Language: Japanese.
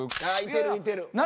ああいてるいてる。